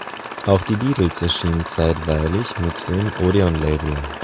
Auch die Beatles erschienen zeitweilig mit dem Odeon-Label.